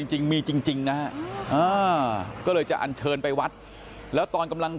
จริงมีจริงนะฮะก็เลยจะอันเชิญไปวัดแล้วตอนกำลัง